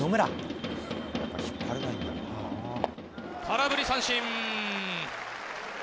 空振り三振。